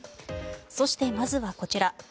そして、まずはこちら。